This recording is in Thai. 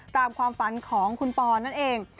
ตามความฝันของคุณปอนนั่นเอง